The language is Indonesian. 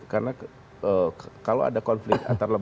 karena kalau ada konflik antar lembaga negara